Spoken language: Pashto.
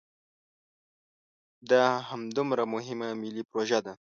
دا همدومره مهمه ملي پروژه ده.